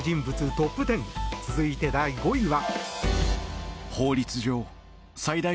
トップ１０続いて第５位は。